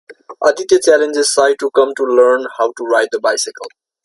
Aditya challenges Sai to come to learn how to ride the bicycle.